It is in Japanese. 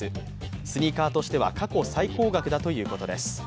スニーカーとしては過去最高額だということです。